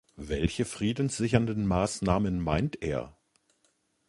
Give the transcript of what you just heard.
Welche friedenssichernden Maßnahmen meint er?